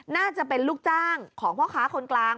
น่าจะเป็นลูกจ้างของพ่อค้าคนกลาง